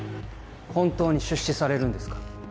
本当に出資されるんですか？